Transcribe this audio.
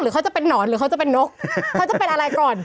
เขาจะเป็นนอนหรือเขาจะเป็นนกเขาจะเป็นอะไรก่อน